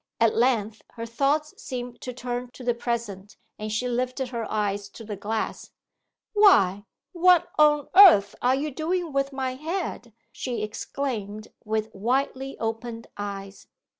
At length her thoughts seemed to turn to the present, and she lifted her eyes to the glass. 'Why, what on earth are you doing with my head?' she exclaimed, with widely opened eyes.